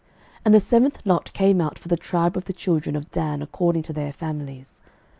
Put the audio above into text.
06:019:040 And the seventh lot came out for the tribe of the children of Dan according to their families.